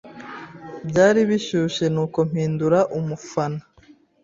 Byari bishyushye, nuko mpindura umufana.